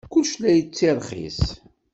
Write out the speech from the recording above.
Kullec la d-yettirxis.